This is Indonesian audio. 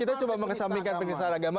kita coba mengesaminikan penita agama